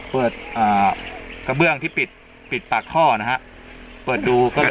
เปิดกระเบื้องที่ปิดปากท่อนะครับเปิดดูก็เลย